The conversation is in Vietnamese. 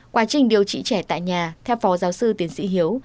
quá trình điều trị trẻ tại nhà theo phó giáo sư tiến sĩ hiếu